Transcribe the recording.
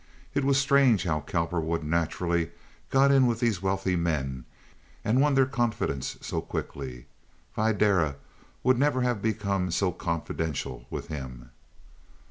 It was strange how Cowperwood naturally got in with these wealthy men and won their confidence so quickly. Videra would never have become so confidential with him.